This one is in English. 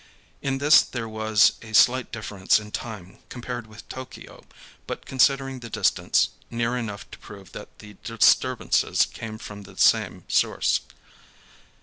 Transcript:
In this there was a slight difference in time compared with Tokio, but, considering the distance, near enough to prove that the disturbances came from the same source.